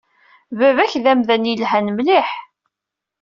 Baba-k d amdan yelhan mliḥ.